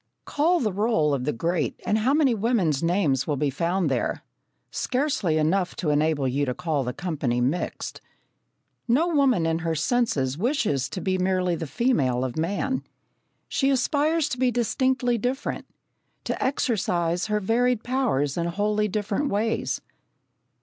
Call the roll of the great and how many women's names will be found there? Scarcely enough to enable you to call the company mixed. No woman in her senses wishes to be merely the female of man. She aspires to be distinctly different to exercise her varied powers in wholly different ways.